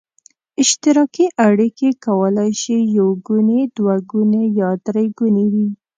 اشتراکي اړیکې کولای شي یو ګوني، دوه ګوني یا درې ګوني وي.